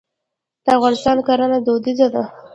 د افغانستان کرنه دودیزه ده.